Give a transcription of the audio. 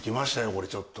これちょっと。